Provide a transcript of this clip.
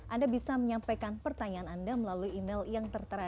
anda bisa menyampaikan pertanyaan anda melalui email yang tertera